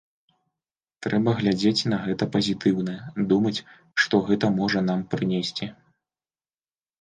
Трэба глядзець на гэта пазітыўна, думаць, што гэта можа нам прынесці.